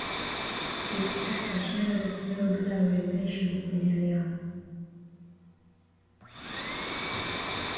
Hivi sasa shanga za kioo bila urembesho hupendelewa